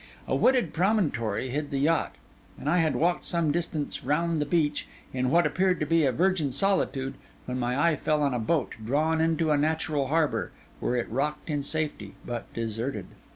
A wooded promontory hid the yacht; and I had walked some distance round the beach, in what appeared to be a virgin solitude, when my eye fell on a boat, drawn into a natural harbour, where it rocked in safety, but deserted.